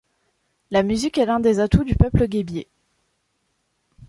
La musique est l'un des atouts du peuple Guébié.